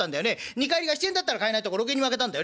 二荷入りが７円だったら買えないところ６円にまけたんだよね。